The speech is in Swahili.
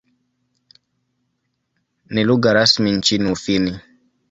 Ni lugha rasmi nchini Ufini.